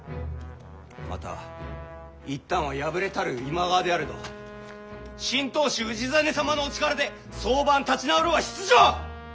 また一旦は敗れたる今川であれど新当主氏真様のお力で早晩立ち直るは必定！